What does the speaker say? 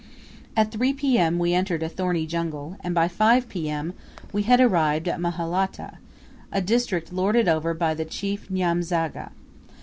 At 3 P.M. we entered a thorny jungle; and by 5 P.M. we had arrived at Muhalata, a district lorded over by the chief Nyamzaga.